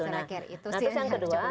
nah itu yang kedua